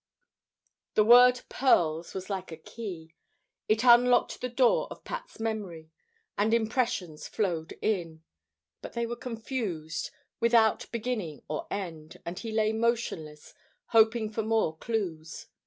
The word "pearls" was like a key. It unlocked the door of Pat's memory, and impressions flowed in. But they were confused, without beginning or end; and he lay motionless, hoping for more clues.